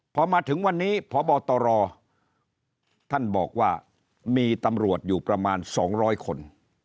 พอมาถึงวันนี้พบตรท่านบอกว่ามีตำรวจอยู่ประมาณ๒๐๐คน